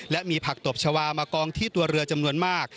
และมีผักตบชาวามากองที่ตัวเรือจำนวนมาก